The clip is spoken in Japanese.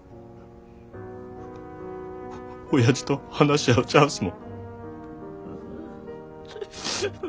おやじと話し合うチャンスも。